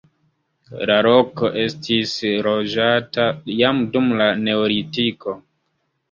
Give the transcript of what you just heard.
La loko estis loĝata jam dum la neolitiko.